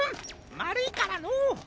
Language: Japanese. まるいからのう。